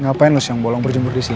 ngapain lo siang bolong berjemur di sini